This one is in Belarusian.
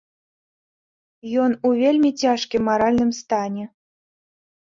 Ён у вельмі цяжкім маральным стане.